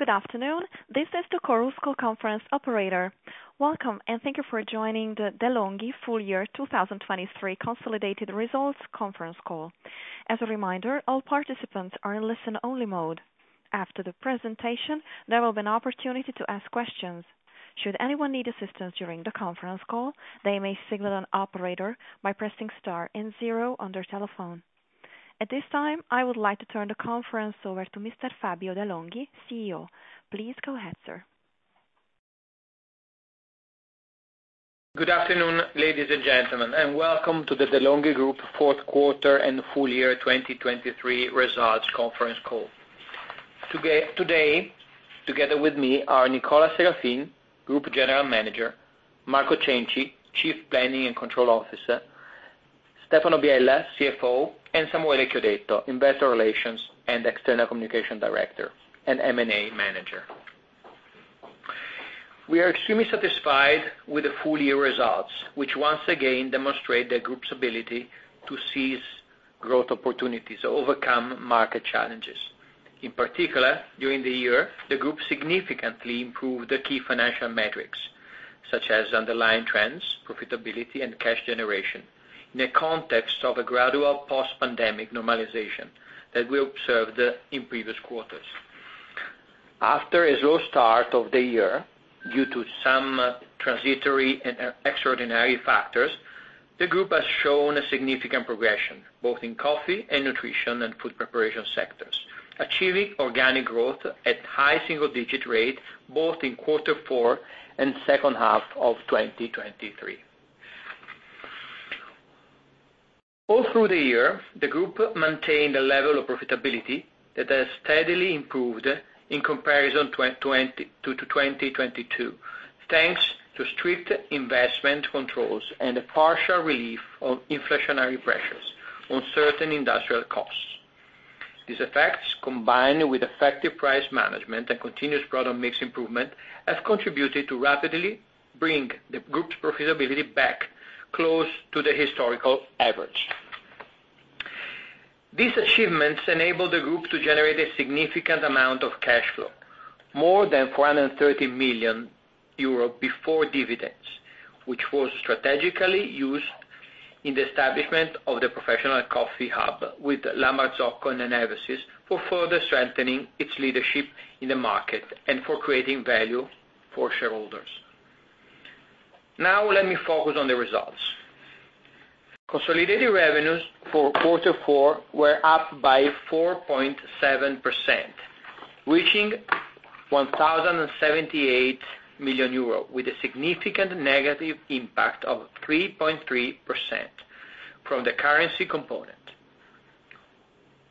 Good afternoon, this is the Chorus Call Conference Operator. Welcome, and thank you for joining the De' Longhi Full Year 2023 Consolidated Results Conference Call. As a reminder, all participants are in listen-only mode. After the presentation, there will be an opportunity to ask questions. Should anyone need assistance during the conference call, they may signal an operator by pressing star and 0 on their telephone. At this time, I would like to turn the conference over to Mr. Fabio de' Longhi, CEO. Please go ahead, sir. Good afternoon, ladies and gentlemen, and welcome to the De' Longhi Group Fourth Quarter and Full Year 2023 Results Conference Call. Today, together with me are Nicola Serafin, Group General Manager; Marco Cenci, Chief Planning and Control Officer; Stefano Biella, CFO; and Samuele Chiodetto, Investor Relations and External Communication Director and M&A Manager. We are extremely satisfied with the full year results, which once again demonstrate the group's ability to seize growth opportunities or overcome market challenges. In particular, during the year, the group significantly improved the key financial metrics, such as underlying trends, profitability, and cash generation, in a context of a gradual post-pandemic normalization that we observed in previous quarters. After a slow start of the year due to some transitory and extraordinary factors, the group has shown a significant progression both in coffee and nutrition and food preparation sectors, achieving organic growth at a high single-digit rate both in quarter four and second half of 2023. All through the year, the group maintained a level of profitability that has steadily improved in comparison to 2022, thanks to strict investment controls and a partial relief of inflationary pressures on certain industrial costs. These effects, combined with effective price management and continuous product mix improvement, have contributed to rapidly bringing the group's profitability back close to the historical average. These achievements enabled the group to generate a significant amount of cash flow, more than 430 million euro before dividends, which was strategically used in the establishment of the professional coffee hub with La Marzocco and Eversys for further strengthening its leadership in the market and for creating value for shareholders. Now, let me focus on the results. Consolidated revenues for Quarter Four were up by 4.7%, reaching 1,078 million euros, with a significant negative impact of 3.3% from the currency component.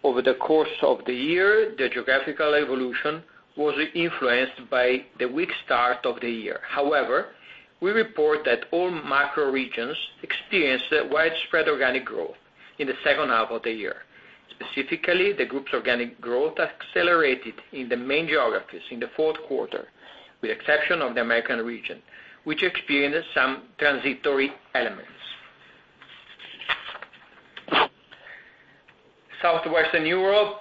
Over the course of the year, the geographical evolution was influenced by the weak start of the year. However, we report that all macro regions experienced widespread organic growth in the second half of the year. Specifically, the group's organic growth accelerated in the main geographies in the fourth quarter, with the exception of the American region, which experienced some transitory elements. Southwestern Europe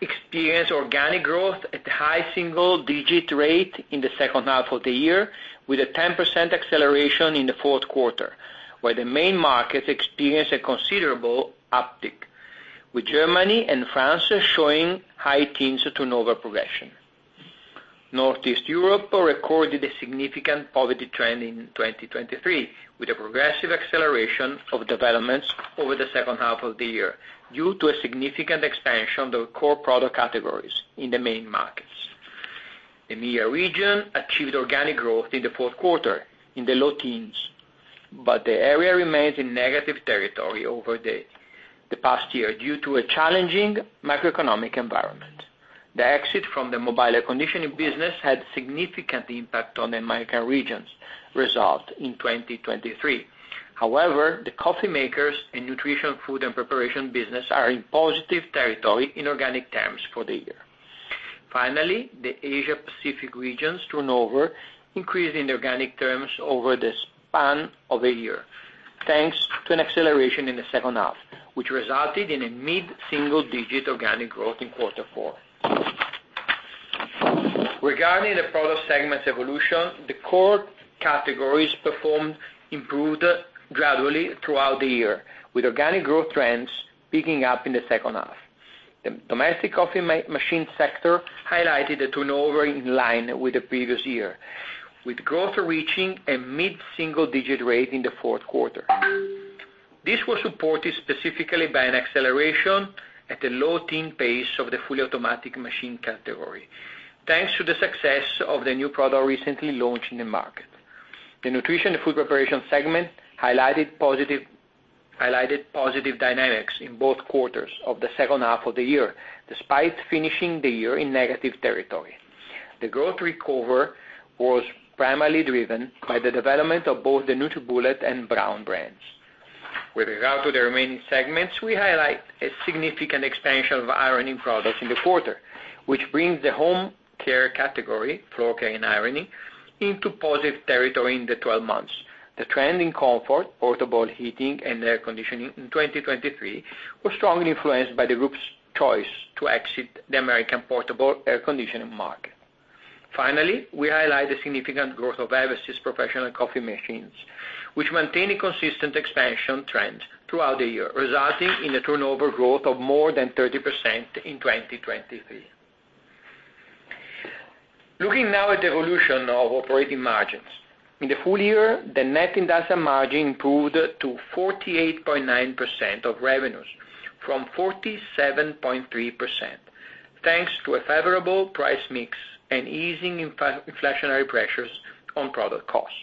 experienced organic growth at a high single-digit rate in the second half of the year, with a 10% acceleration in the fourth quarter, while the main markets experienced a considerable uptick, with Germany and France showing high teens in turnover progression. Northeast Europe recorded a significant positive trend in 2023, with a progressive acceleration of developments over the second half of the year due to a significant expansion of the core product categories in the main markets. The MEA region achieved organic growth in the fourth quarter in the low teens, but the area remains in negative territory over the past year due to a challenging macroeconomic environment. The exit from the mobile air conditioning business had a significant impact on the Americas region's result in 2023. However, the coffee makers and nutrition, food and preparation business are in positive territory in organic terms for the year. Finally, the Asia-Pacific region's turnover increased in organic terms over the span of a year, thanks to an acceleration in the second half, which resulted in a mid-single-digit organic growth in quarter four. Regarding the product segment's evolution, the core categories performed improved gradually throughout the year, with organic growth trends picking up in the second half. The domestic coffee machine sector highlighted a turnover in line with the previous year, with growth reaching a mid-single-digit rate in the fourth quarter. This was supported specifically by an acceleration at a low teens pace of the fully automatic machine category, thanks to the success of the new product recently launched in the market. The nutrition and food preparation segment highlighted positive dynamics in both quarters of the second half of the year, despite finishing the year in negative territory. The growth recovery was primarily driven by the development of both the NutriBullet and Braun brands. With regard to the remaining segments, we highlight a significant expansion of ironing products in the quarter, which brings the home care category, floor care and ironing, into positive territory in the 12 months. The trend in comfort, portable heating, and air conditioning in 2023 was strongly influenced by the group's choice to exit the American portable air conditioning market. Finally, we highlight the significant growth of Eversys professional coffee machines, which maintained a consistent expansion trend throughout the year, resulting in a turnover growth of more than 30% in 2023. Looking now at the evolution of operating margins, in the full year, the net industrial margin improved to 48.9% of revenues from 47.3%, thanks to a favorable price mix and easing inflationary pressures on product costs.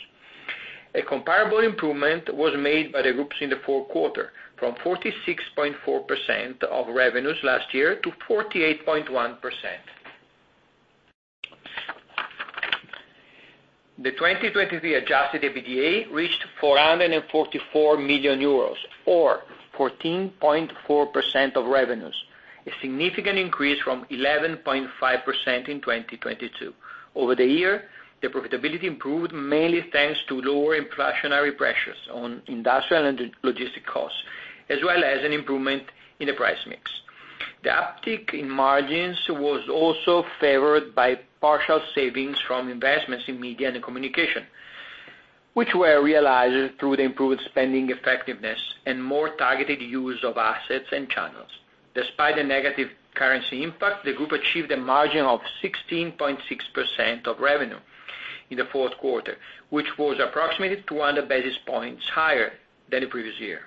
A comparable improvement was made by the groups in the fourth quarter, from 46.4% of revenues last year to 48.1%. The 2023 Adjusted EBITDA reached 444 million euros, or 14.4% of revenues, a significant increase from 11.5% in 2022. Over the year, the profitability improved mainly thanks to lower inflationary pressures on industrial and logistic costs, as well as an improvement in the price mix. The uptick in margins was also favored by partial savings from investments in media and communication, which were realized through the improved spending effectiveness and more targeted use of assets and channels. Despite the negative currency impact, the group achieved a margin of 16.6% of revenue in the fourth quarter, which was approximately 200 basis points higher than the previous year.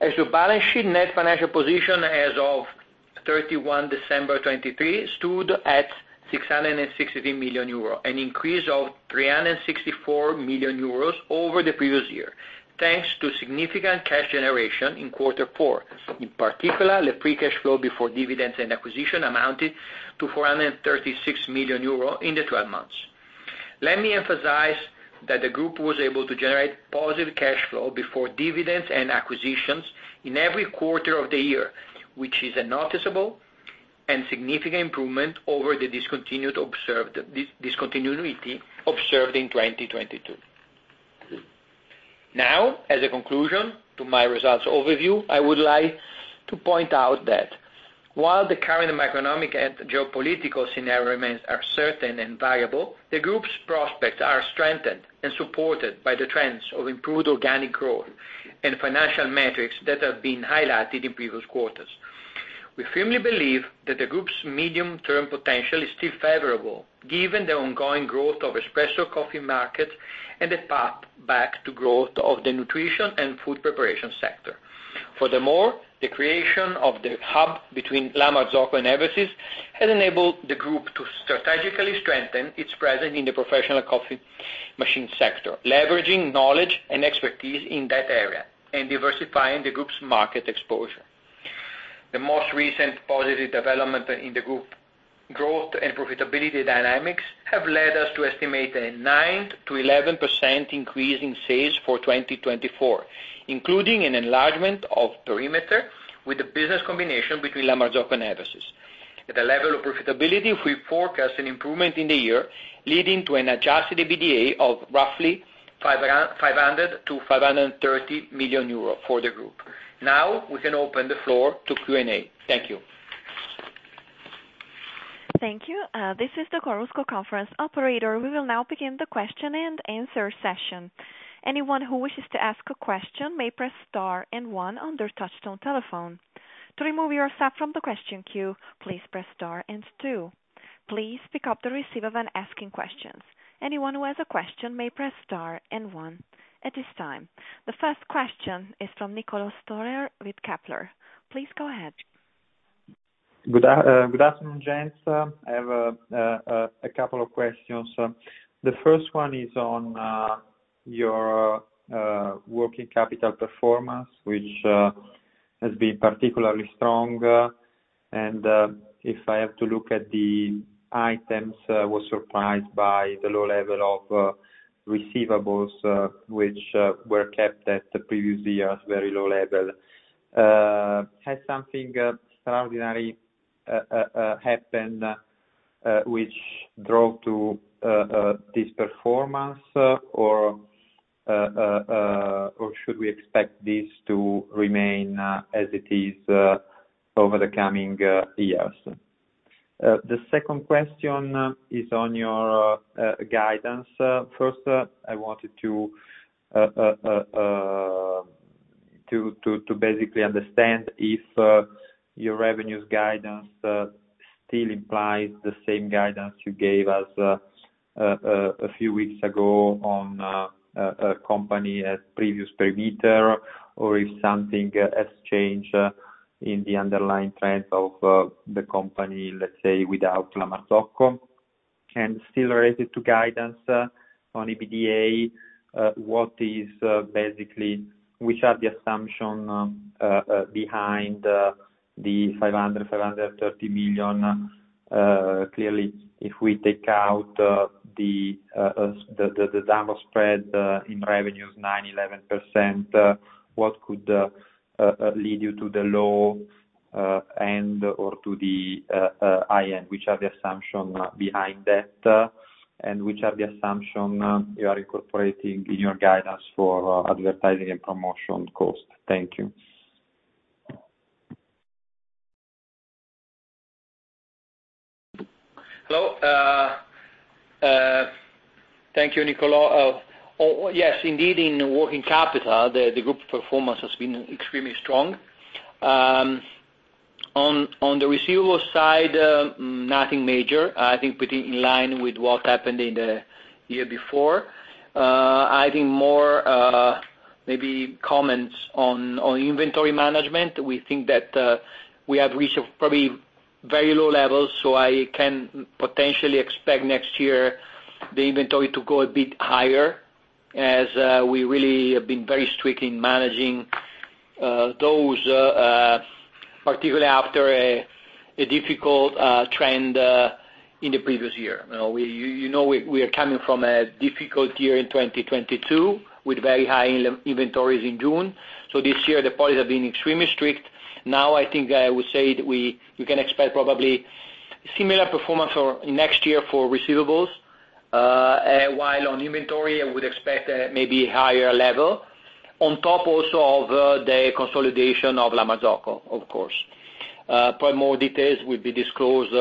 As for balance sheet, net financial position as of 31 December 2023 stood at 663 million euros, an increase of 364 million euros over the previous year, thanks to significant cash generation in quarter four. In particular, the free cash flow before dividends and acquisition amounted to 436 million euro in the 12 months. Let me emphasize that the group was able to generate positive cash flow before dividends and acquisitions in every quarter of the year, which is a noticeable and significant improvement over the discontinuity observed in 2022. Now, as a conclusion to my results overview, I would like to point out that while the current macroeconomic and geopolitical scenarios remain uncertain and variable, the group's prospects are strengthened and supported by the trends of improved organic growth and financial metrics that have been highlighted in previous quarters. We firmly believe that the group's medium-term potential is still favorable, given the ongoing growth of espresso coffee markets and the path back to growth of the nutrition and food preparation sector. Furthermore, the creation of the hub between La Marzocco and Eversys has enabled the group to strategically strengthen its presence in the professional coffee machine sector, leveraging knowledge and expertise in that area and diversifying the group's market exposure. The most recent positive developments in the group's growth and profitability dynamics have led us to estimate a 9%-11% increase in sales for 2024, including an enlargement of perimeter with the business combination between La Marzocco and Eversys. At the level of profitability, we forecast an improvement in the year, leading to an Adjusted EBITDA of roughly 500 million-530 million euros for the group. Now, we can open the floor to Q&A. Thank you. Thank you. This is the Chorus Call Conference Operator. We will now begin the question-and-answer session. Anyone who wishes to ask a question may press star and one on their touch-tone telephone. To remove yourself from the question queue, please press star and two. Please pick up the receiver when asking questions. Anyone who has a question may press star and 1 at this time. The first question is from Niccolò Storer with Kepler. Please go ahead. Good afternoon, gents. I have a couple of questions. The first one is on your working capital performance, which has been particularly strong. And if I have to look at the items, I was surprised by the low level of receivables, which were kept at the previous year at a very low level. Has something extraordinary happened which drove to this performance, or should we expect this to remain as it is over the coming years? The second question is on your guidance. First, I wanted to basically understand if your revenues guidance still implies the same guidance you gave us a few weeks ago on a company as per previous perimeter, or if something has changed in the underlying trends of the company, let's say, without La Marzocco. And still related to guidance on EBITDA, which are the assumptions behind the 500 million-530 million? Clearly, if we take out the downward spread in revenues, 9%-11%, what could lead you to the low end or to the high end? Which are the assumptions behind that, and which are the assumptions you are incorporating in your guidance for advertising and promotion costs? Thank you. Hello. Thank you, Niccolò. Yes, indeed, in working capital, the Group's performance has been extremely strong. On the receivable side, nothing major. I think in line with what happened in the year before. I think more maybe comments on inventory management. We think that we have reached probably very low levels, so I can potentially expect next year the inventory to go a bit higher, as we really have been very strict in managing those, particularly after a difficult trend in the previous year. You know we are coming from a difficult year in 2022 with very high inventories in June. So this year, the policies have been extremely strict. Now, I think I would say that we can expect probably similar performance next year for receivables, while on inventory, I would expect a maybe higher level, on top also of the consolidation of La Marzocco, of course. Probably more details will be disclosed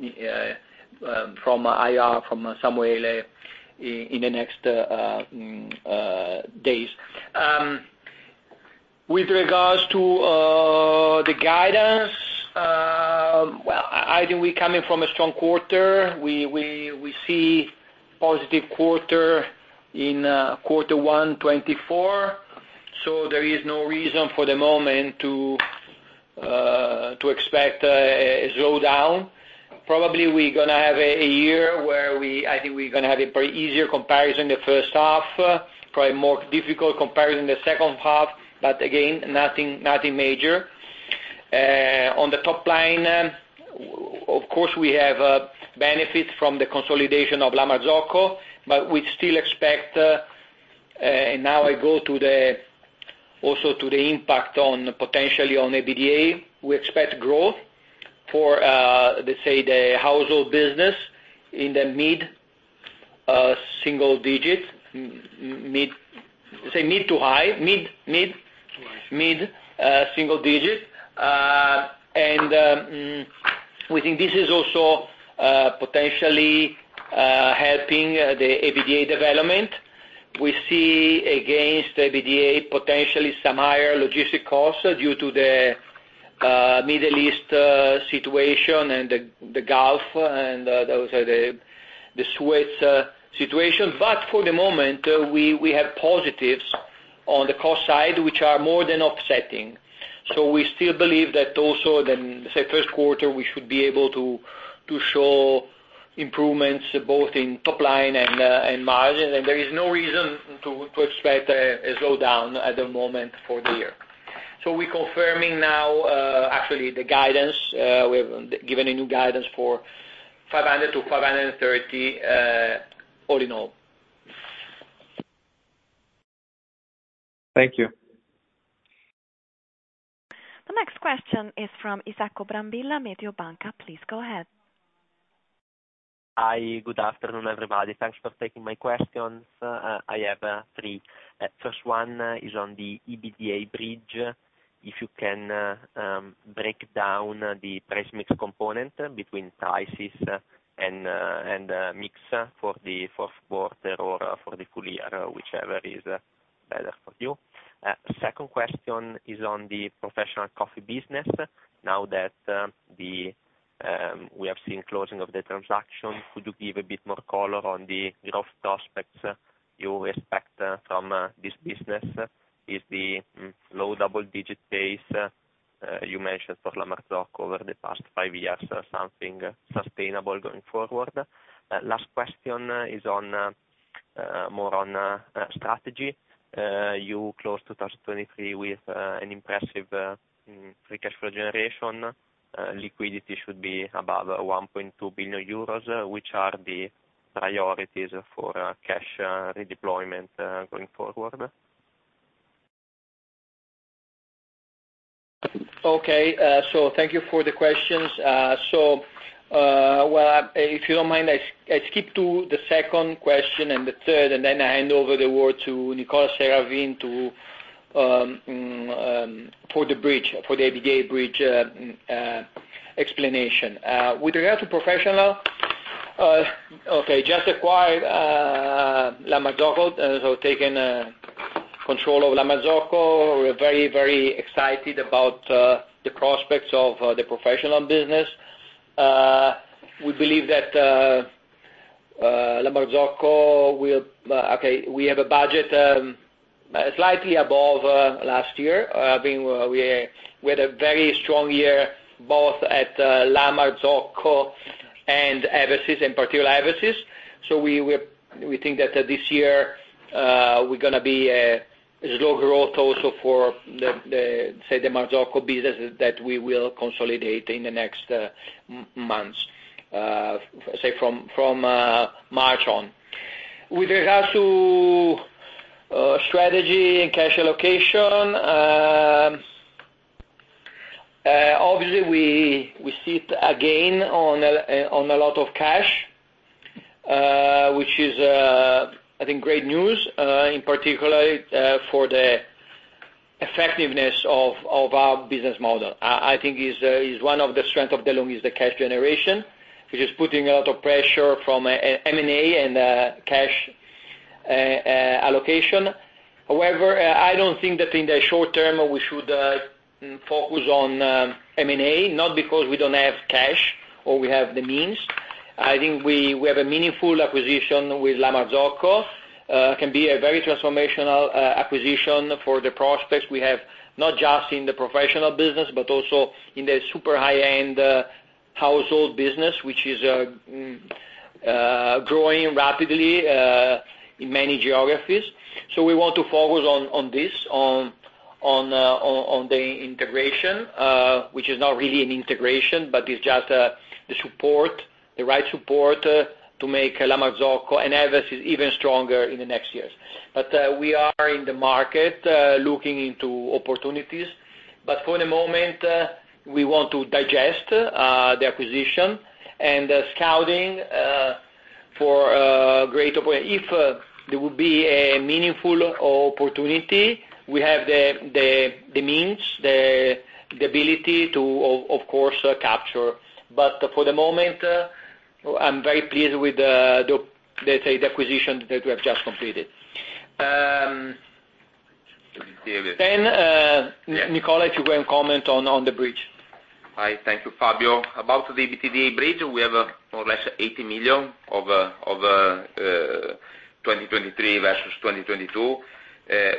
in some way in the next days. With regards to the guidance, well, I think we're coming from a strong quarter. We see a positive quarter in quarter one 2024, so there is no reason for the moment to expect a slowdown. Probably, we're going to have a year where I think we're going to have a very easier comparison in the first half, probably a more difficult comparison in the second half, but again, nothing major. On the top line, of course, we have benefits from the consolidation of La Marzocco, but we still expect and now I go also to the impact potentially on EBITDA. We expect growth for, let's say, the household business in the mid-single digit, say mid- to high mid-single digit. We think this is also potentially helping the EBITDA development. We see, against EBITDA, potentially some higher logistic costs due to the Middle East situation and the Gulf and also the Suez situation. But for the moment, we have positives on the cost side, which are more than offsetting. So we still believe that also, let's say, first quarter, we should be able to show improvements both in top line and margin. And there is no reason to expect a slowdown at the moment for the year. So we're confirming now, actually, the guidance. We have given a new guidance for 500 million-530 million, all in all. Thank you. The next question is from Isacco Brambilla, Mediobanca. Please go ahead. Hi. Good afternoon, everybody. Thanks for taking my questions. I have three. First one is on the EBITDA bridge. If you can break down the price mix component between prices and mix for the fourth quarter or for the full year, whichever is better for you. Second question is on the professional coffee business. Now that we have seen closing of the transaction, could you give a bit more color on the growth prospects you expect from this business? Is the low double-digit pace you mentioned for La Marzocco over the past five years something sustainable going forward? Last question is more on strategy. You closed 2023 with an impressive free cash flow generation. Liquidity should be above 1.2 billion euros, which are the priorities for cash redeployment going forward. Okay. So thank you for the questions. So if you don't mind, I skip to the second question and the third, and then I hand over the word to Nicola Serafin for the EBITDA bridge explanation. With regard to professional, okay, just acquired La Marzocco, so taken control of La Marzocco. We're very, very excited about the prospects of the professional business. We believe that La Marzocco will okay, we have a budget slightly above last year. We had a very strong year both at La Marzocco and Eversys, in particular Eversys. So we think that this year, we're going to be a slow growth also for, say, the La Marzocco business that we will consolidate in the next months, say, from March on. With regard to strategy and cash allocation, obviously, we sit again on a lot of cash, which is, I think, great news, in particular for the effectiveness of our business model. I think one of the strengths of De' Longhi is the cash generation, which is putting a lot of pressure from M&A and cash allocation. However, I don't think that in the short term, we should focus on M&A, not because we don't have cash or we have the means. I think we have a meaningful acquisition with La Marzocco. It can be a very transformational acquisition for the prospects we have, not just in the professional business but also in the super high-end household business, which is growing rapidly in many geographies. So we want to focus on this, on the integration, which is not really an integration, but it's just the right support to make La Marzocco and Eversys even stronger in the next years. But we are in the market looking into opportunities. But for the moment, we want to digest the acquisition and scouting for great opportunities. If there would be a meaningful opportunity, we have the means, the ability to, of course, capture. But for the moment, I'm very pleased with, let's say, the acquisition that we have just completed. Then, Nicola, if you can comment on the bridge. Hi. Thank you, Fabio. About the EBITDA bridge, we have more or less 80 million of 2023 versus 2022,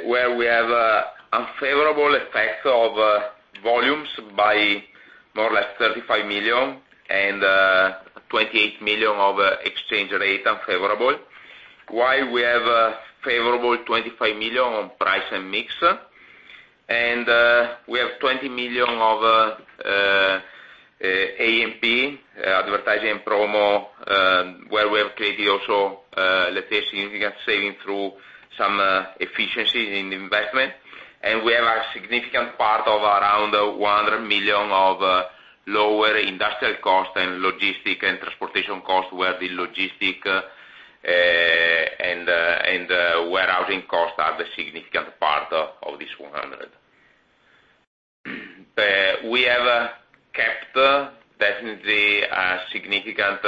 where we have unfavorable effects of volumes by more or less 35 million and 28 million of exchange rate unfavorable, while we have favorable 25 million on price and mix. We have 20 million of A&P, advertising and promo, where we have created also, let's say, significant savings through some efficiencies in investment. We have a significant part of around 100 million of lower industrial costs and logistics and transportation costs, where the logistics and warehousing costs are the significant part of this 100. We have kept definitely a significant,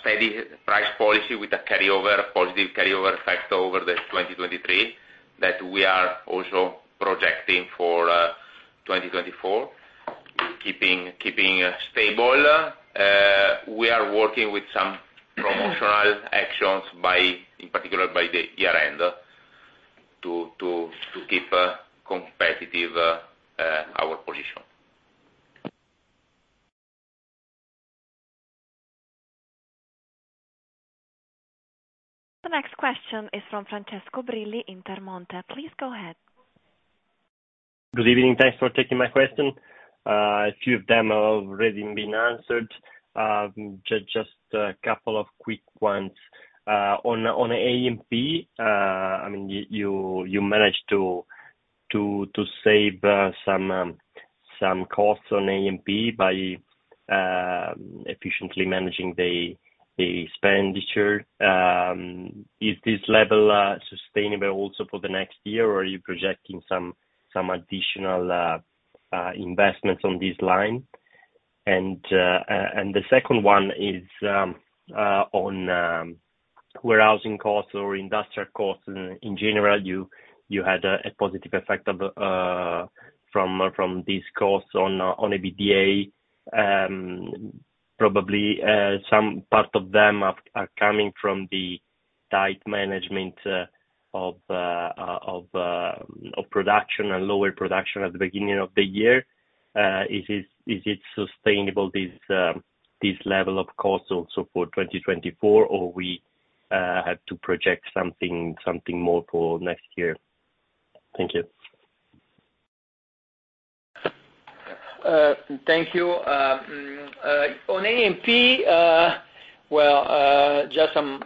steady price policy with a positive carryover effect over the 2023 that we are also projecting for 2024, keeping stable. We are working with some promotional actions, in particular, by the year-end to keep competitive our position. The next question is from Francesco Brilli in Intermonte. Please go ahead. Good evening. Thanks for taking my question. A few of them have already been answered. Just a couple of quick ones. On A&P, I mean, you managed to save some costs on A&P by efficiently managing the expenditure. Is this level sustainable also for the next year, or are you projecting some additional investments on this line? And the second one is on warehousing costs or industrial costs. In general, you had a positive effect from these costs on EBITDA. Probably, some part of them are coming from the tight management of production and lower production at the beginning of the year. Is it sustainable, this level of costs, also for 2024, or we have to project something more for next year? Thank you. Thank you. On A&P, well, just some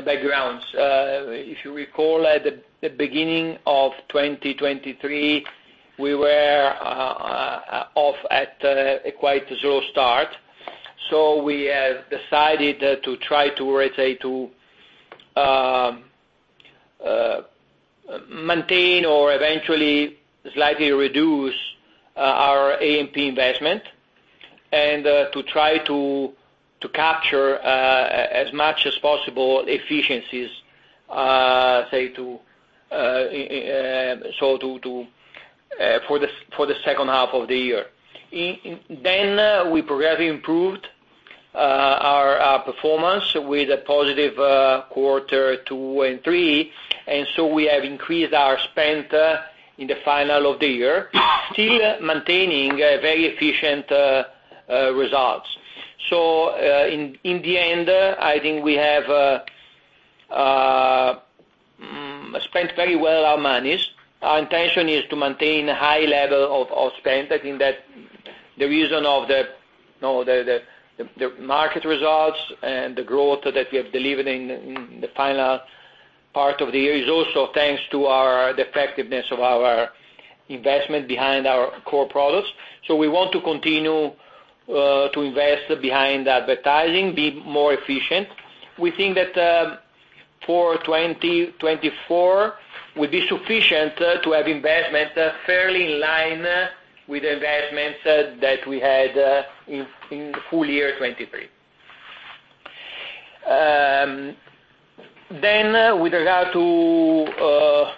backgrounds. If you recall, at the beginning of 2023, we were off at a quite slow start. So we have decided to try to, let's say, maintain or eventually slightly reduce our A&P investment and to try to capture as much as possible efficiencies, say, for the second half of the year. Then, we progressively improved our performance with a positive quarter two and three. And so we have increased our spend in the final of the year, still maintaining very efficient results. So in the end, I think we have spent very well our monies. Our intention is to maintain a high level of spend. I think that the reason of the market results and the growth that we have delivered in the final part of the year is also thanks to the effectiveness of our investment behind our core products. So we want to continue to invest behind advertising, be more efficient. We think that for 2024, we'll be sufficient to have investments fairly in line with the investments that we had in full year 2023. Then, with regard to,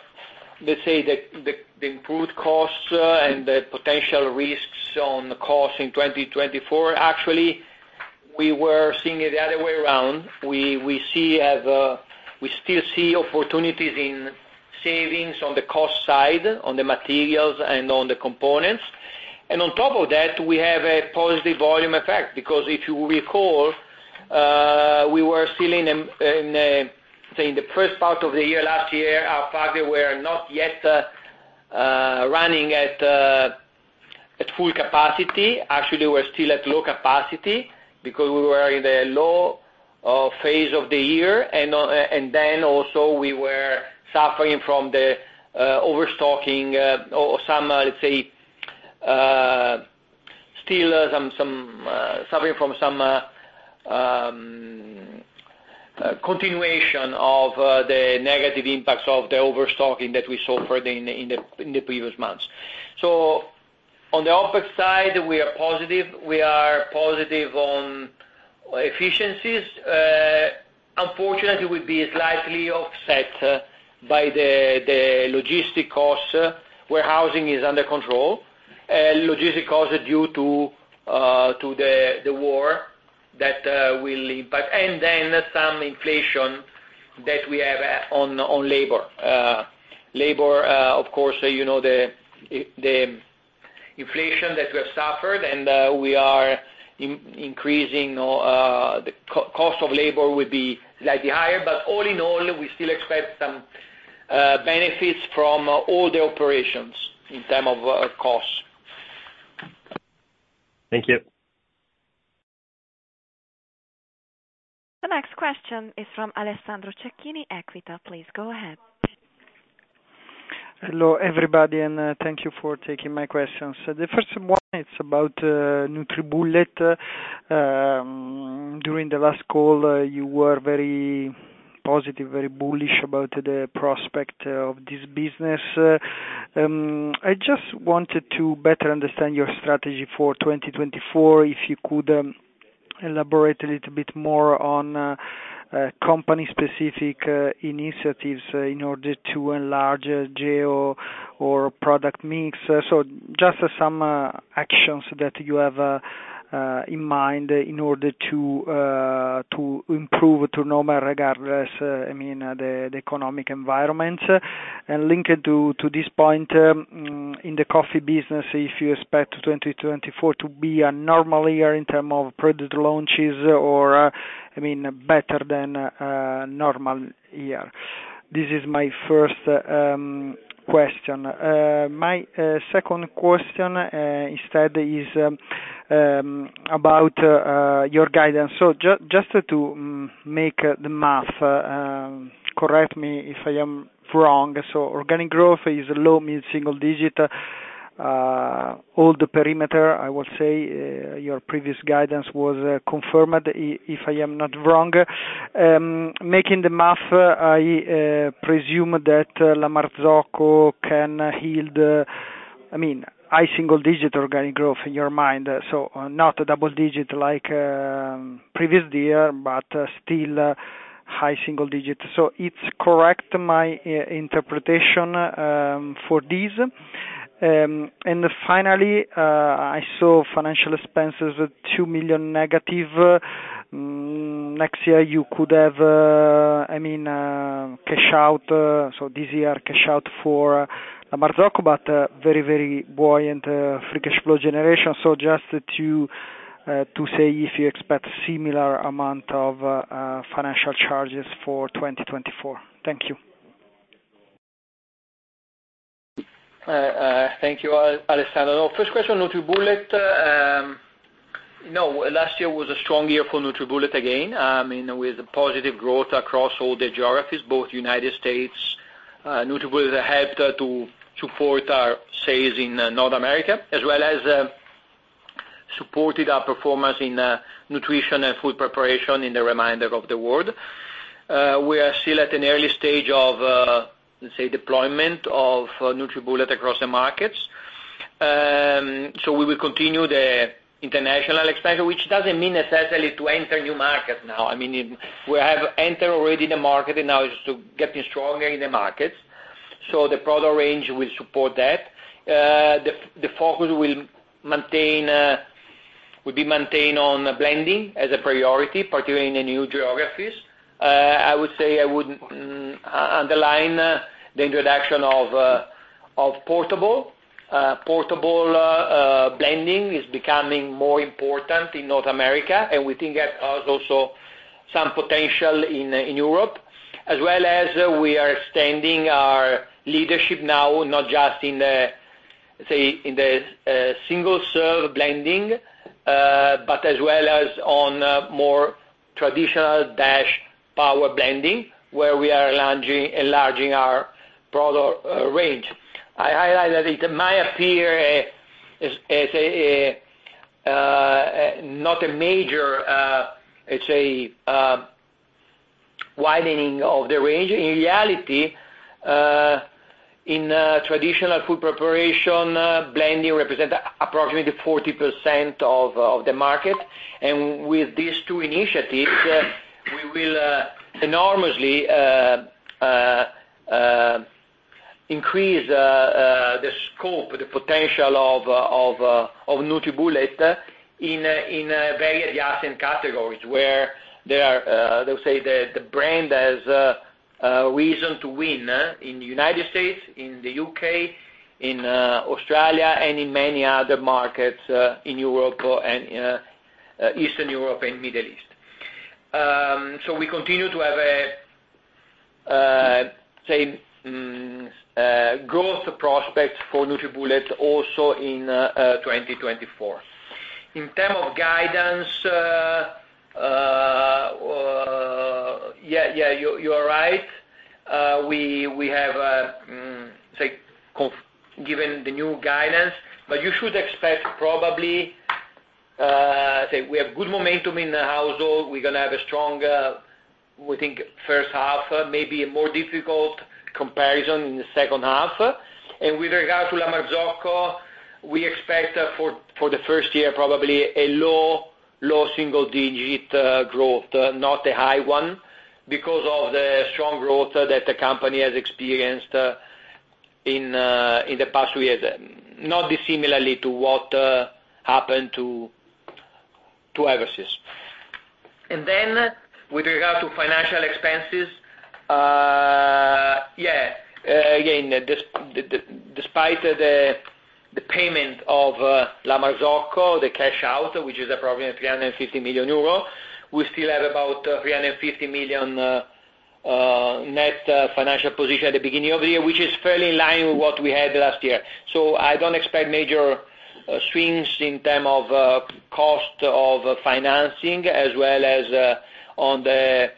let's say, the improved costs and the potential risks on costs in 2024, actually, we were seeing it the other way around. We still see opportunities in savings on the cost side, on the materials and on the components. And on top of that, we have a positive volume effect because, if you recall, we were still in the first part of the year last year. Our factory were not yet running at full capacity. Actually, we were still at low capacity because we were in the low phase of the year. And then also, we were suffering from the overstocking or some, let's say, still suffering from some continuation of the negative impacts of the overstocking that we suffered in the previous months. So on the opposite side, we are positive. We are positive on efficiencies. Unfortunately, we'd be slightly offset by the logistics costs. Warehousing is under control, logistics costs due to the war that will impact, and then some inflation that we have on labor. Labor, of course, the inflation that we have suffered, and we are increasing the cost of labor would be slightly higher. But all in all, we still expect some benefits from all the operations in terms of costs. Thank you. The next question is from Alessandro Cecchini, Equita. Please go ahead. Hello, everybody, and thank you for taking my questions. The first one, it's about NutriBullet. During the last call, you were very positive, very bullish about the prospect of this business. I just wanted to better understand your strategy for 2024, if you could elaborate a little bit more on company-specific initiatives in order to enlarge geo or product mix. So just some actions that you have in mind in order to improve De' Longhi regardless, I mean, the economic environment. And linked to this point, in the coffee business, if you expect 2024 to be a normal year in terms of project launches or, I mean, better than normal year. This is my first question. My second question, instead, is about your guidance. So just to make the math, correct me if I am wrong. So organic growth is low, mid, single digit, all the perimeter, I will say. Your previous guidance was confirmed, if I am not wrong. Making the math, I presume that La Marzocco can yield, I mean, high single digit organic growth in your mind, so not double digit like previous year, but still high single digit. So it's correct, my interpretation, for this. And finally, I saw financial expenses 2 million negative. Next year, you could have, I mean, cash out. So this year, cash out for La Marzocco, but very, very buoyant free cash flow generation. So just to say if you expect similar amount of financial charges for 2024. Thank you. Thank you, Alessandro. First question, NutriBullet. No, last year was a strong year for NutriBullet again, I mean, with positive growth across all the geographies, both United States. NutriBullet helped to support our sales in North America as well as supported our performance in nutrition and food preparation in the remainder of the world. We are still at an early stage of, let's say, deployment of NutriBullet across the markets. So we will continue the international expansion, which doesn't mean necessarily to enter new markets now. I mean, we have entered already the market, and now it's just getting stronger in the markets. So the product range will support that. The focus will be maintained on blending as a priority, particularly in the new geographies. I would say I would underline the introduction of portable. Portable blending is becoming more important in North America, and we think it has also some potential in Europe, as well as we are extending our leadership now, not just in the, let's say, single-serve blending, but as well as on more traditional-power blending, where we are enlarging our product range. I highlight that it might appear, let's say, not a major, let's say, widening of the range. In reality, in traditional food preparation, blending represents approximately 40% of the market. And with these two initiatives, we will enormously increase the scope, the potential of NutriBullet in various adjacent categories, where there are, let's say, the brand has reason to win in the United States, in the U.K., in Australia, and in many other markets in Europe, Eastern Europe, and Middle East. So we continue to have a, say, growth prospect for NutriBullet also in 2024. In terms of guidance, yeah, yeah, you are right. We have, say, given the new guidance, but you should expect probably, say, we have good momentum in the household. We're going to have a stronger, we think, first half, maybe a more difficult comparison in the second half. With regard to La Marzocco, we expect for the first year, probably, a low, low single-digit growth, not a high one, because of the strong growth that the company has experienced in the past two years, not dissimilarly to what happened to Eversys. Then, with regard to financial expenses, yeah, again, despite the payment of La Marzocco, the cash out, which is approximately 350 million euro, we still have about 350 million net financial position at the beginning of the year, which is fairly in line with what we had last year. I don't expect major swings in terms of cost of financing as well as on the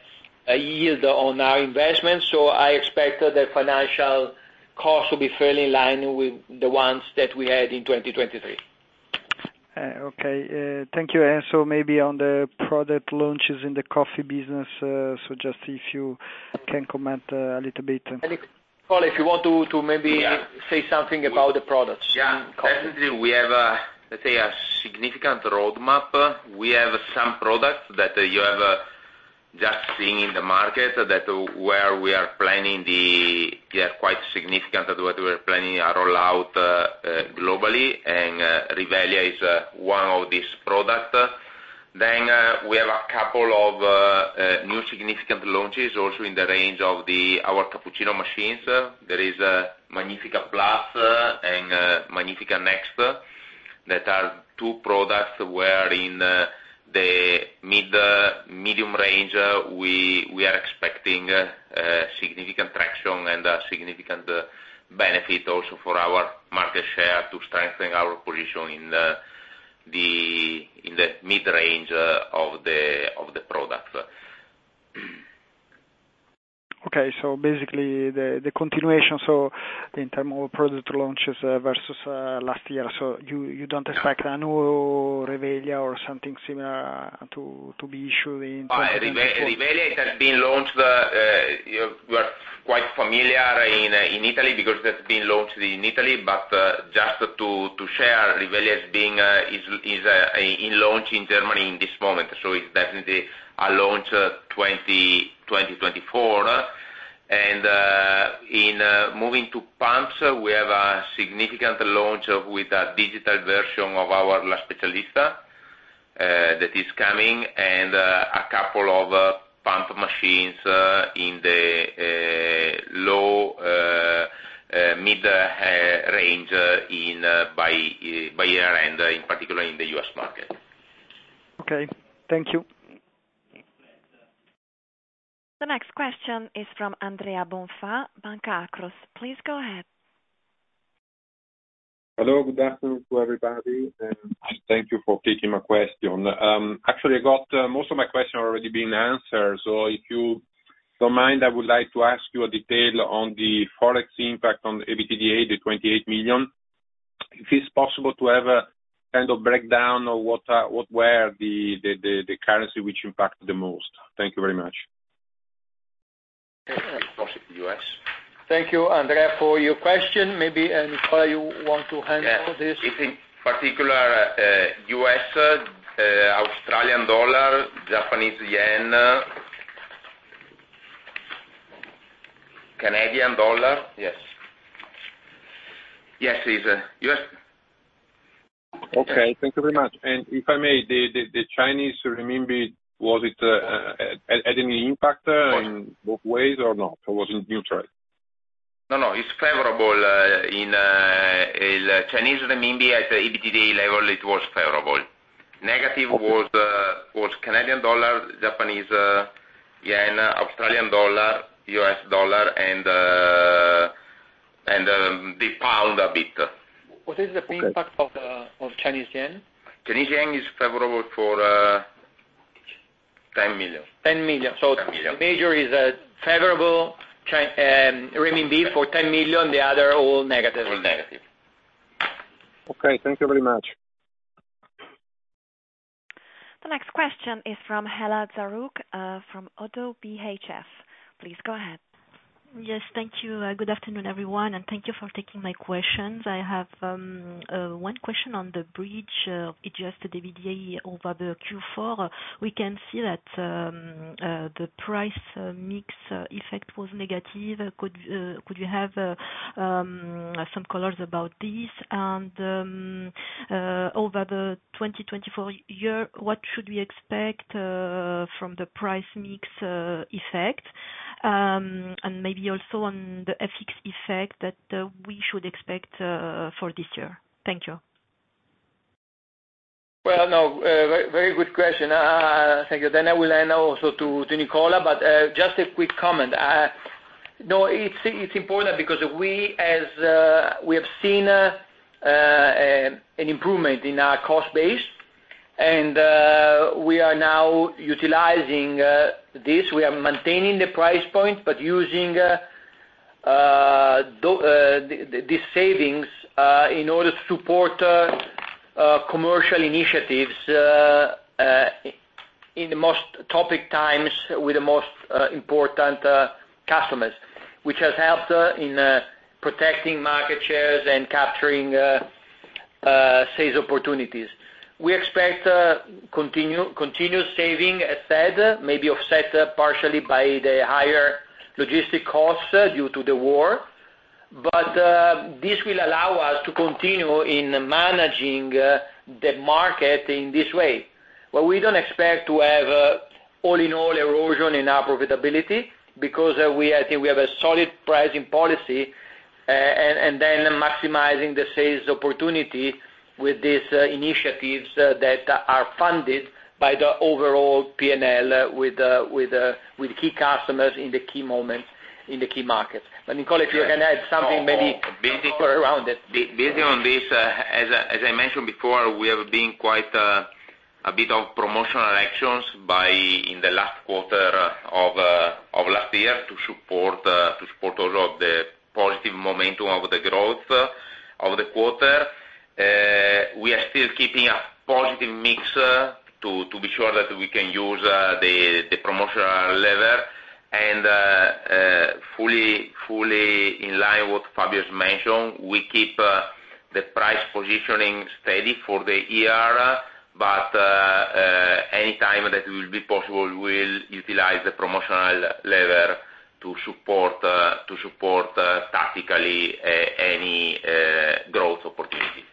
yield on our investments. So I expect the financial costs will be fairly in line with the ones that we had in 2023. Okay. Thank you. And so maybe on the product launches in the coffee business, so just if you can comment a little bit? Nicola, if you want to maybe say something about the products in coffee. Yeah. Definitely. We have, let's say, a significant roadmap. We have some products that you have just seen in the market where we are planning. They are quite significant at what we are planning to roll out globally, and Rivelia is one of these products. Then, we have a couple of new significant launches also in the range of our cappuccino machines. There is Magnifica Plus and Magnifica Next that are two products where, in the medium range, we are expecting significant traction and significant benefit also for our market share to strengthen our position in the mid-range of the products. Okay. So basically, the continuation, so in terms of product launches versus last year, so you don't expect a new Rivelia or something similar to be issued in 2023? Well, Rivelia, it has been launched. We are quite familiar in Italy because it has been launched in Italy. But just to share, Rivelia is in launch in Germany in this moment. So it's definitely a launch 2024. And moving to pumps, we have a significant launch with a digital version of our La Specialista that is coming and a couple of pump machines in the low, mid-range by year-end, in particular in the U.S. market. Okay. Thank you. The next question is from Andrea Bonfà, Banca Akros. Please go ahead. Hello. Good afternoon to everybody. And thank you for taking my question. Actually, most of my questions have already been answered. So if you don't mind, I would like to ask you a detail on the forex impact on EBITDA, the 28 million. If it's possible to have a kind of breakdown of what were the currencies which impacted the most. Thank you very much. Thank you, Andrea, for your question. Maybe, Nicola, you want to handle this? Yes. It's in particular U.S., Australian dollar, Japanese yen, Canadian dollar. Yes. Yes, it is. U.S. Okay. Thank you very much. And if I may, the Chinese renminbi, was it at any impact in both ways or not? Or was it neutral? No, no. It's favorable. In the Chinese renminbi, at the EBITDA level, it was favorable. Negative was Canadian dollar, Japanese Yen, Australian dollar, U.S. dollar, and the pound a bit. What is the impact of Chinese yuan? Chinese yuan is favorable for 10 million. 10 million. So the major is favorable renminbi for 10 million. The other all negative. All negative. Okay. Thank you very much. The next question is from Hela Zarrouk from ODDO BHF. Please go ahead. Yes. Thank you. Good afternoon, everyone, and thank you for taking my questions. I have one question on the bridge Adjusted EBITDA over the Q4. We can see that the price mix effect was negative. Could you have some color about this? And over the 2024 year, what should we expect from the price mix effect? And maybe also on the FX effect that we should expect for this year. Thank you. Well, no, very good question. Thank you. I will hand over also to Nicola. Just a quick comment. No, it's important because we have seen an improvement in our cost base, and we are now utilizing this. We are maintaining the price point but using these savings in order to support commercial initiatives in the most opportune times with the most important customers, which has helped in protecting market shares and capturing sales opportunities. We expect continued savings, as said, maybe offset partially by the higher logistics costs due to the war. This will allow us to continue in managing the market in this way. Well, we don't expect to have all-in-all erosion in our profitability because I think we have a solid pricing policy and then maximizing the sales opportunity with these initiatives that are funded by the overall P&L with key customers in the key moments, in the key markets. But Nicola, if you can add something maybe around it. Based on this, as I mentioned before, we have been quite a bit of promotional actions in the last quarter of last year to support also the positive momentum of the growth of the quarter. We are still keeping a positive mix to be sure that we can use the promotional lever. And fully in line with what Fabio has mentioned, we keep the price positioning steady for the year. But anytime that it will be possible, we will utilize the promotional lever to support tactically any growth opportunity.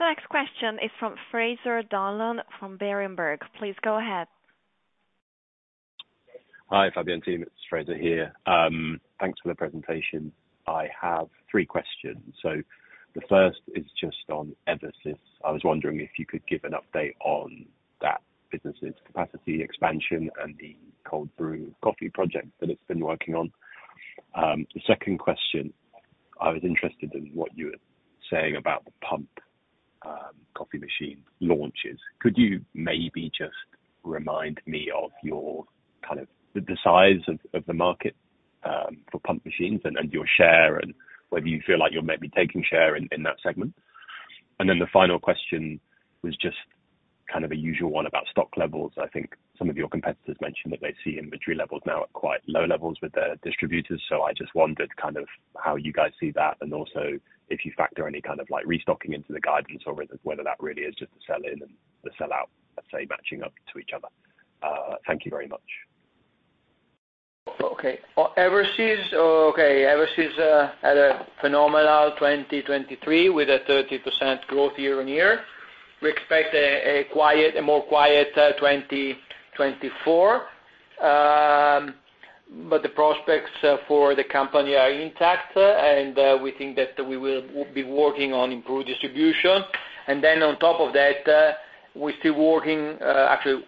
The next question is from Fraser Donlon from Berenberg. Please go ahead. Hi, Fabio and team. It's Fraser here. Thanks for the presentation. I have three questions. So the first is just on Eversys. I was wondering if you could give an update on that business's capacity expansion and the cold brew coffee project that it's been working on. The second question, I was interested in what you were saying about the pump coffee machine launches. Could you maybe just remind me of kind of the size of the market for pump machines and your share and whether you feel like you're maybe taking share in that segment? And then the final question was just kind of a usual one about stock levels. I think some of your competitors mentioned that they see inventory levels now at quite low levels with their distributors. So I just wondered kind of how you guys see that and also if you factor any kind of restocking into the guidance or whether that really is just the sell-in and the sell-out, let's say, matching up to each other. Thank you very much. Okay. Eversys had a phenomenal 2023 with a 30% growth year-on-year. We expect a more quiet 2024. But the prospects for the company are intact, and we think that we will be working on improved distribution. And then on top of that, we're still working, actually,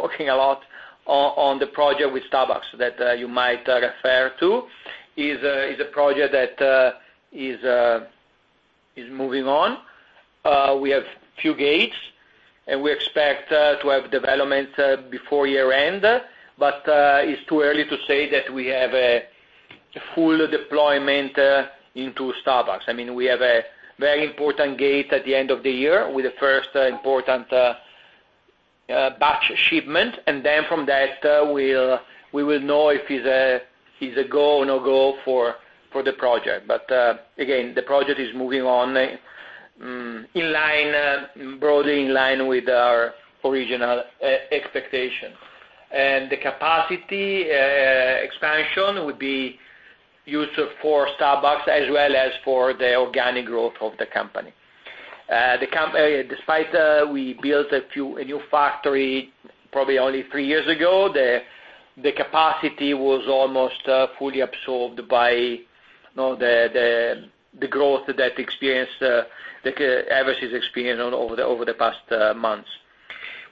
working a lot on the project with Starbucks that you might refer to. It's a project that is moving on. We have a few gates, and we expect to have developments before year-end. But it's too early to say that we have a full deployment into Starbucks. I mean, we have a very important gate at the end of the year with the first important batch shipment. And then from that, we will know if it's a go or no go for the project. But again, the project is moving on broadly in line with our original expectation. And the capacity expansion would be used for Starbucks as well as for the organic growth of the company. Despite we built a new factory probably only three years ago, the capacity was almost fully absorbed by the growth that Eversys experienced over the past months.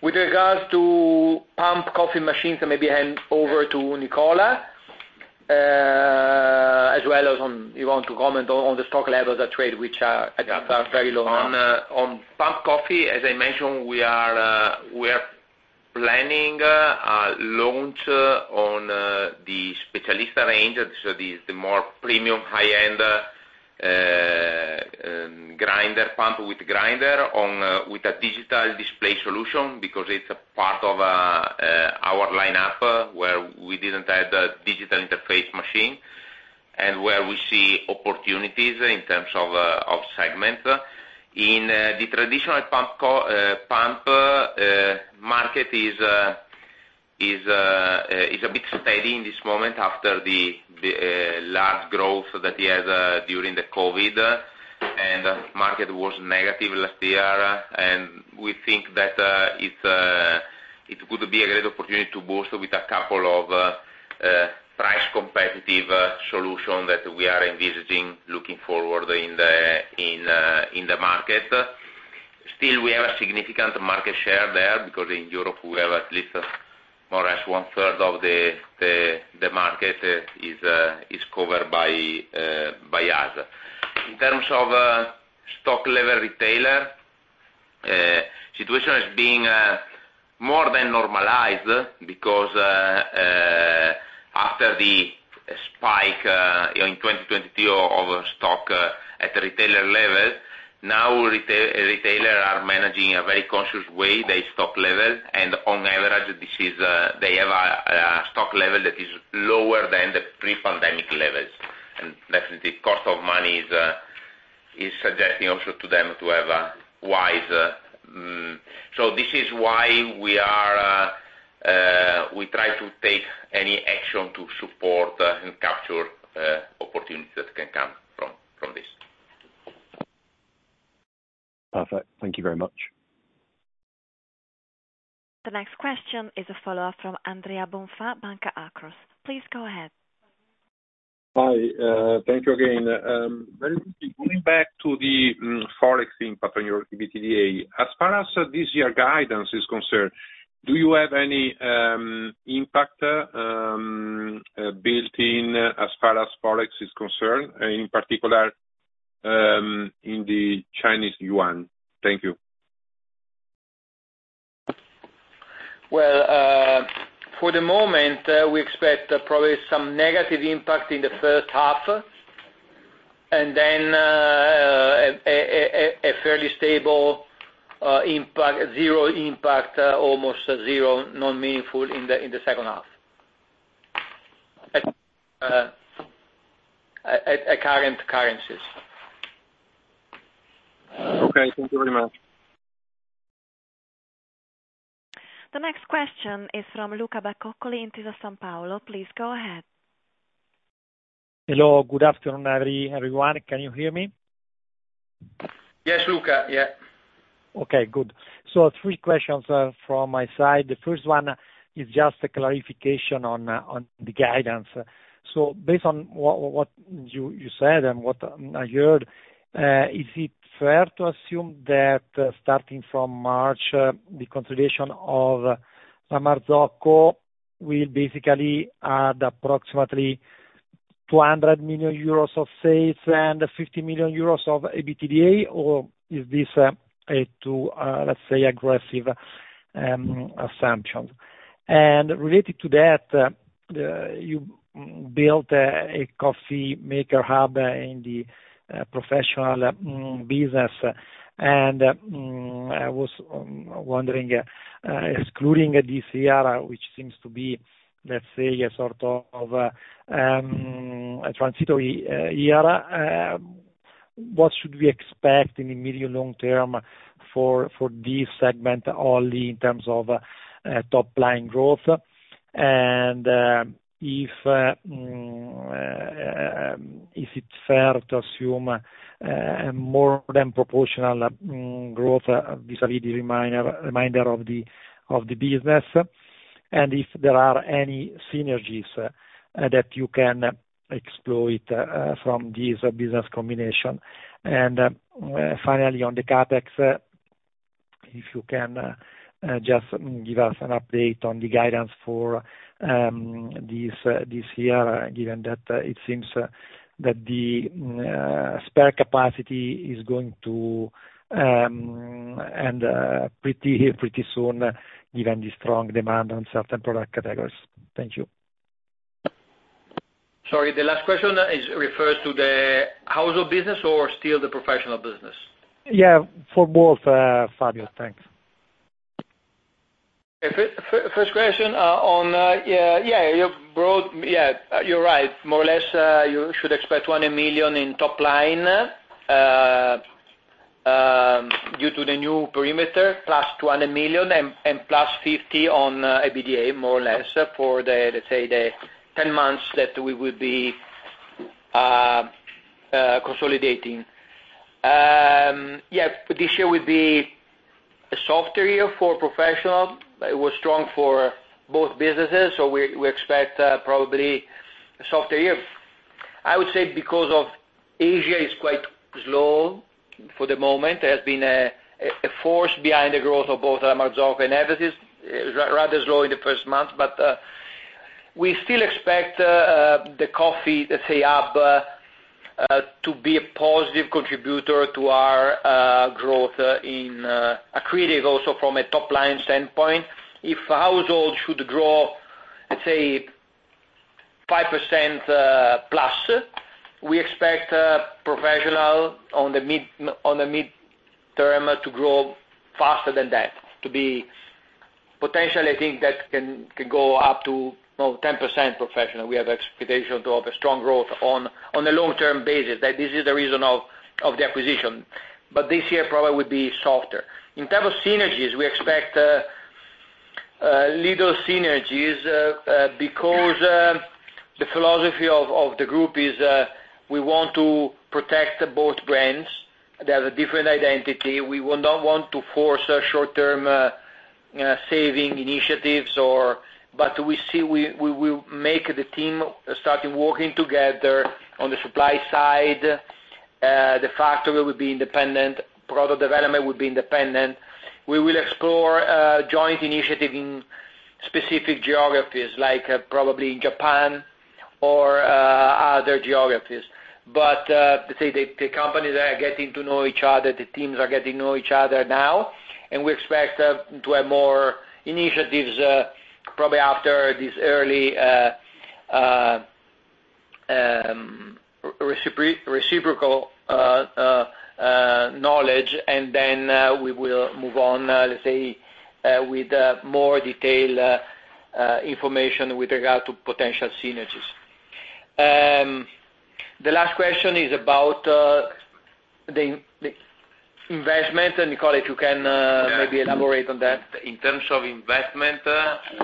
With regard to pump coffee machines, I maybe hand over to Nicola as well as on you want to comment on the stock levels at trade, which I think are very low now. Yeah. On pump coffee, as I mentioned, we are planning a launch on the Specialista range. So it's the more premium, high-end grinder pump with a digital display solution because it's a part of our lineup where we didn't have the digital interface machine and where we see opportunities in terms of segments. In the traditional pump market, it's a bit steady in this moment after the large growth that we had during the COVID. The market was negative last year. We think that it could be a great opportunity to boost with a couple of price-competitive solutions that we are envisaging, looking forward in the market. Still, we have a significant market share there because in Europe, we have at least more or less one-third of the market is covered by us. In terms of stock-level retailer, the situation is being more than normalized because after the spike in 2022 of stock at the retailer level, now retailers are managing in a very conscious way their stock level. On average, they have a stock level that is lower than the pre-pandemic levels. Definitely, cost of money is suggesting also to them to have a wise, so this is why we try to take any action to support and capture opportunities that can come from this. Perfect. Thank you very much. The next question is a follow-up from Andrea Bonfà, Banca Akros. Please go ahead. Hi. Thank you again. Going back to the forex impact on your EBITDA, as far as this year guidance is concerned, do you have any impact built-in as far as forex is concerned, and in particular in the Chinese yuan? Thank you. Well, for the moment, we expect probably some negative impact in the first half and then a fairly stable impact, zero impact, almost zero, non-meaningful in the second half at current currencies. Okay. Thank you very much. The next question is from Luca Bacoccoli in Intesa Sanpaolo. Please go ahead. Hello. Good afternoon, everyone. Can you hear me? Yes, Luca. Yeah. Okay. Good. So three questions from my side. The first one is just a clarification on the guidance. So based on what you said and what I heard, is it fair to assume that starting from March, the consolidation of La Marzocco will basically add approximately 200 million euros of sales and 50 million euros of EBITDA? Or is this too, let's say, aggressive assumptions? And related to that, you built a coffee maker hub in the professional business. And I was wondering, excluding this year, which seems to be, let's say, a sort of a transitory year, what should we expect in the medium-long term for this segment only in terms of top-line growth? And is it fair to assume more than proportional growth vis-à-vis the remainder of the business? And if there are any synergies that you can exploit from this business combination? And finally, on the CapEx, if you can just give us an update on the guidance for this year, given that it seems that the spare capacity is going to end pretty soon given the strong demand on certain product categories. Thank you. Sorry. The last question refers to the house of business or still the professional business? Yeah. For both, Fabio. Thanks. First question: yeah. Yeah. You're right. More or less, you should expect 200 million in top-line due to the new perimeter, +200 million and +50 million on EBITDA, more or less, for, let's say, the 10 months that we will be consolidating. Yeah. This year would be a softer year for professional. It was strong for both businesses. So we expect probably a softer year. I would say because Asia is quite slow for the moment, there has been a force behind the growth of both La Marzocco and Eversys. It was rather slow in the first month. But we still expect the coffee, let's say, hub to be a positive contributor to our growth accreting also from a top-line standpoint. If households should grow, let's say, 5%+, we expect professional on the mid-term to grow faster than that, to be potentially, I think that can go up to 10% professional. We have expectation to have a strong growth on a long-term basis. This is the reason of the acquisition. But this year probably would be softer. In terms of synergies, we expect little synergies because the philosophy of the group is we want to protect both brands. They have a different identity. We don't want to force short-term saving initiatives. But we will make the team starting working together on the supply side. The factory will be independent. Product development will be independent. We will explore joint initiative in specific geographies like probably in Japan or other geographies. But let's say the companies are getting to know each other. The teams are getting to know each other now. We expect to have more initiatives probably after this early reciprocal knowledge. Then we will move on, let's say, with more detailed information with regard to potential synergies. The last question is about the investment. Nicola, if you can maybe elaborate on that. In terms of investment,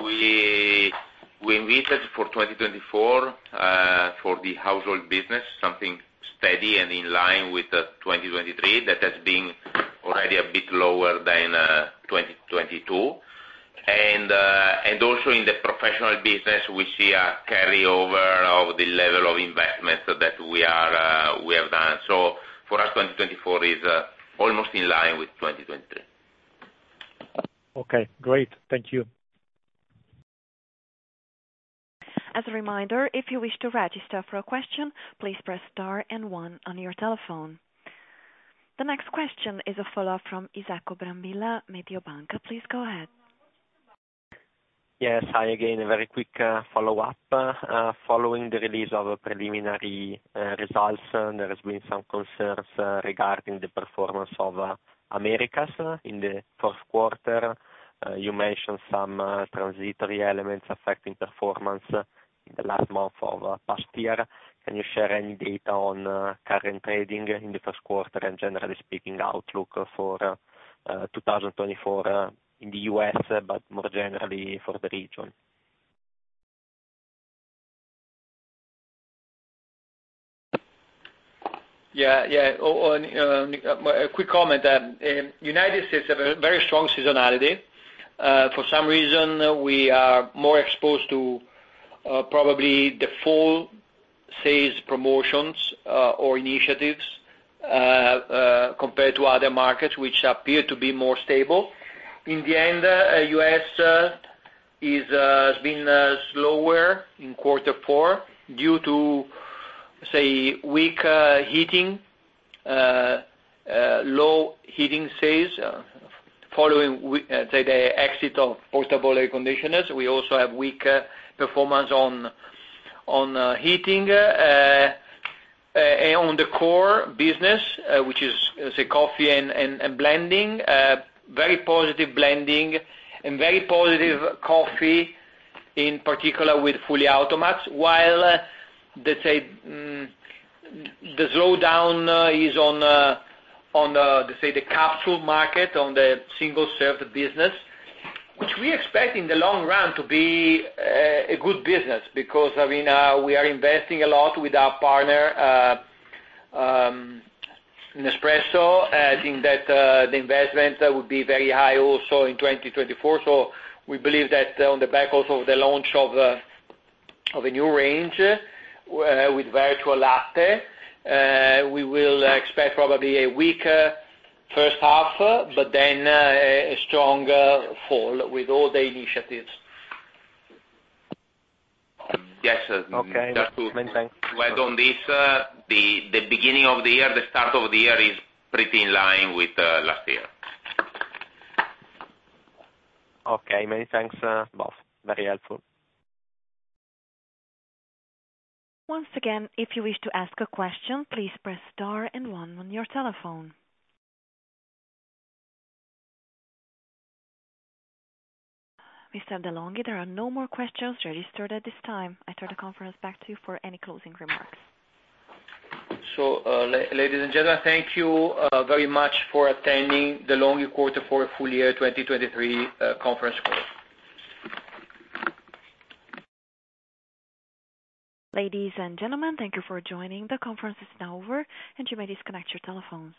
we envisaged for 2024 for the household business something steady and in line with 2023 that has been already a bit lower than 2022. Also in the professional business, we see a carryover of the level of investment that we have done. For us, 2024 is almost in line with 2023. Okay. Great. Thank you. As a reminder, if you wish to register for a question, please press star and one on your telephone. The next question is a follow-up from Isacco Brambilla, Mediobanca. Please go ahead. Yes. Hi again. A very quick follow-up. Following the release of preliminary results, there has been some concerns regarding the performance of Americas in the fourth quarter. You mentioned some transitory elements affecting performance in the last month of past year. Can you share any data on current trading in the first quarter and generally speaking, outlook for 2024 in the U.S. but more generally for the region? Yeah. Yeah. A quick comment. United States have a very strong seasonality. For some reason, we are more exposed to probably the full sales promotions or initiatives compared to other markets which appear to be more stable. In the end, U.S. has been slower in quarter four due to, say, weak heating, low heating sales following, let's say, the exit of portable air conditioners. We also have weak performance on heating and on the core business which is, let's say, coffee and blending, very positive blending and very positive coffee in particular with fully automatics while let's say the slowdown is on, let's say, the capsule market, on the single-serve business which we expect in the long run to be a good business because, I mean, we are investing a lot with our partner, Nespresso. I think that the investment would be very high also in 2024. We believe that on the back also of the launch of a new range with Vertuo Latte, we will expect probably a weak first half but then a strong fall with all the initiatives. Yes. That's true. Well, on this, the beginning of the year, the start of the year is pretty in line with last year. Okay. Many thanks, Nicola. Very helpful. Once again, if you wish to ask a question, please press star and one on your telephone. Mr. de' Longhi, there are no more questions registered at this time. I turn the conference back to you for any closing remarks. Ladies and gentlemen, thank you very much for attending De' Longhi Quarter Four Full Year 2023 Conference Call. Ladies and gentlemen, thank you for joining. The conference is now over. You may disconnect your telephones.